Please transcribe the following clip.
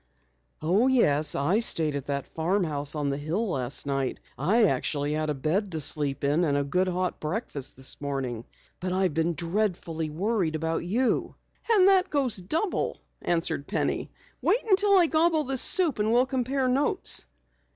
"Oh, yes, I stayed at that farmhouse on the hill last night. I actually had a bed to sleep in and a good hot breakfast this morning. But I've been dreadfully worried about you." "And that goes double," answered Penny. "Wait until I gobble this soup, and we'll compare notes."